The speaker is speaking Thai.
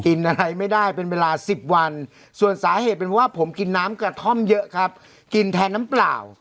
กินอะไรไม่ได้เป็นเวลา๑๐วันส่วนสาเหตุเป็นเพราะว่าผมกินน้ำกระท่อมเยอะครับกินแทนน้ำเปล่า